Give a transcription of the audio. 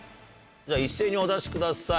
一斉にお出しください